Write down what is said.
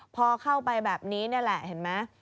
พอเข้าไปแบบนี้นี่แหละเห็นไหม